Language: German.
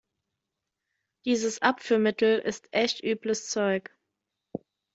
Dieses Abführmittel ist echt übles Zeug.